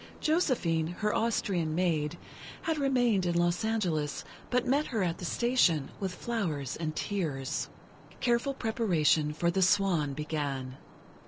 Josephine, her Austrian maid, had remained in Los Angeles, but met her at the station, with flowers and tears. Careful preparation for "The Swan" began.